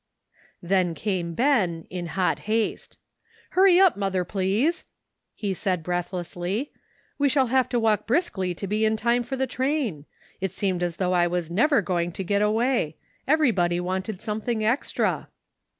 Then came Ben, in hot haste. " Hurry up, mother, please," he said breathlessly; "we shall have to walk briskly to be in time for the train. It seemed as though I was never going to get away. Everybody wanted something extra."